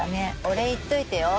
お礼言っといてよ